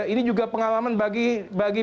ini juga pengalaman bagi